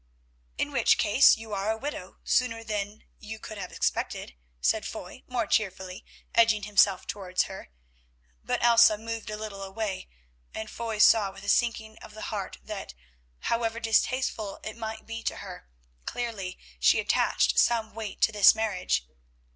"In which case you are a widow sooner than you could have expected," said Foy more cheerfully, edging himself towards her. But Elsa moved a little away and Foy saw with a sinking of the heart that, however distasteful it might be to her, clearly she attached some weight to this marriage.